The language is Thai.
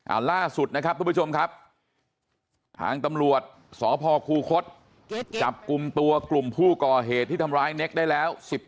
ล่าสุดนะครับทุกผู้ชมครับทางตำรวจสพคูคศจับกลุ่มตัวกลุ่มผู้ก่อเหตุที่ทำร้ายเน็กได้แล้ว